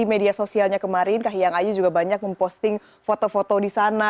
di media sosialnya kemarin kahiyang ayu juga banyak memposting foto foto di sana